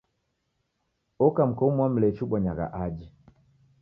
Oka mka umu wa Mlechi ubonyagha aje.